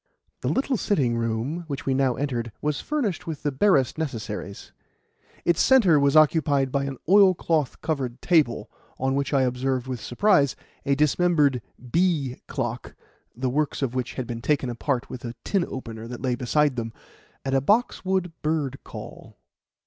The little sitting room, which we now entered, was furnished with the barest necessaries. Its centre was occupied by an oilcloth covered table, on which I observed with surprise a dismembered "Bee" clock (the works of which had been taken apart with a tin opener that lay beside them) and a box wood bird call.